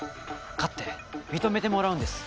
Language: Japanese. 勝って認めてもらうんです